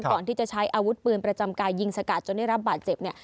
ก่อนที่จะใช้อาวุธปืนประจำกายยิงสกัดจนได้รับบาดเจ็บเนี่ย